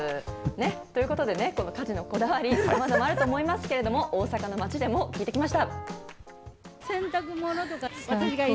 ということでね、家事のこだわり、さまざまあると思いますけれども、大阪の街でも聞いてきました。